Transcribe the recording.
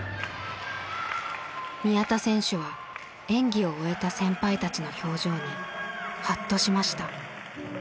宮田選手は演技を終えた先輩たちの表情にハッとしました。